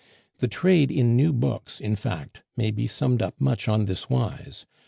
The trade in new books may, in fact, be summed up much on this wise.